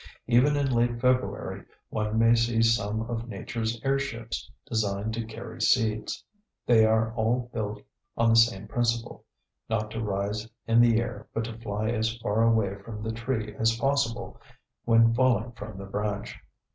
Even in late February one may see some of Nature's airships, designed to carry seeds. They are all built on the same principle, not to rise in the air, but to fly as far away from the tree as possible when falling from the branch.